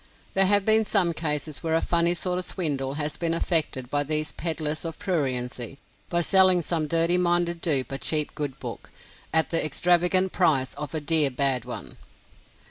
There have been some cases where a funny sort of swindle has been effected by these peddlers of pruriency, by selling some dirty minded dupe a cheap good book, at the extravagant price of a dear bad one.